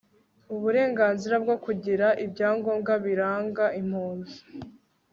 uburenganzira bwo kugira ibyangombwa biranga impunzi